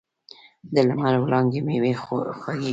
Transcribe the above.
د لمر وړانګې میوې خوږې کوي.